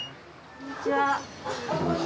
こんにちは。